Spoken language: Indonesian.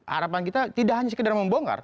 harapan kita tidak hanya sekedar membongkar